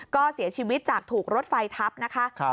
ก็เสียชีวิตจากถูกรถไฟทับนะคะ